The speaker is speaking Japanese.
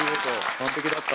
完璧だった。